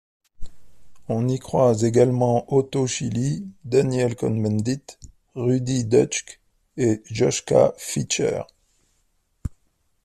On y croise également Otto Schilly, Daniel Cohn-Bendit, Rudi Dutschke et Joschka Fischer.